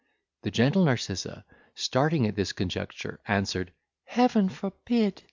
The gentle Narcissa, starting at this conjecture, answered, "Heaven forbid!